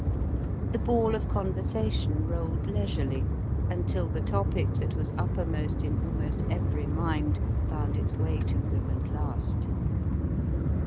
The ball of conversation rolled leisurely, until the topic that was uppermost in al most every mind found its way to them at last.